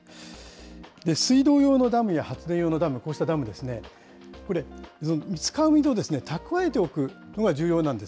水道用のダムや発電用のダム、こうしたダムですね、これ、使う水を蓄えておくのが重要なんです。